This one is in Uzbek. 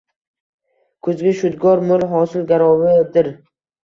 Kuzgi shudgor mo‘l hosil garovidirng